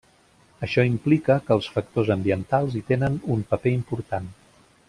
Això implica que els factors ambientals hi tenen un paper important.